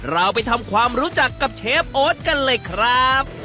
เราไปทำความรู้จักกับเชฟโอ๊ตกันเลยครับ